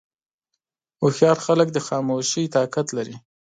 هوښیار خلک د خاموشۍ طاقت لري.